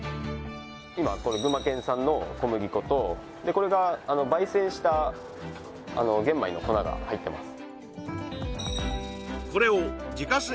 今これ群馬県産の小麦粉とこれが焙煎した玄米の粉が入ってます